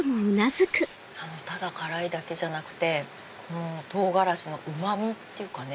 ただ辛いだけじゃなくて唐辛子のうま味っていうかね。